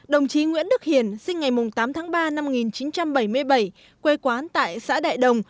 đồng chí nguyễn đức hiển sinh ngày tám tháng ba năm một nghìn chín trăm bảy mươi bảy quê quán tại xã đại đồng